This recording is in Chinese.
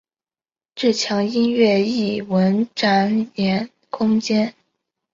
这墙音乐艺文展演空间。